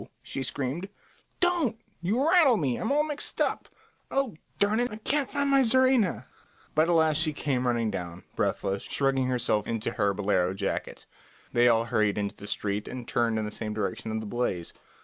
she screamed. "Don't; you rattle me. I'm all mixed up. Oh, darn it, I can't find my czarina!" But at last she came running down, breathless, shrugging herself into her bolero jacket. They all hurried into the street and turned in the direction of the blaze.